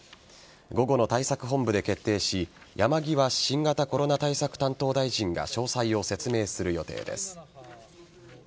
午後の対策本部で決定し山際新型コロナ対策担当大臣が詳細を説明する予定です。